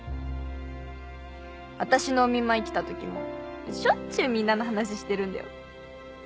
私のお見舞い来たときもしょっちゅうみんなの話してるんだよ。